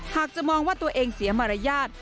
หากจะมองว่าตัวเองเสียมารยาท